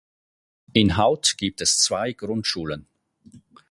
In Hout gibt es zwei Grundschulen.